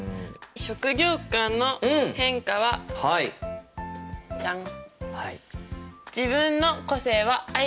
職業観の変化はジャン！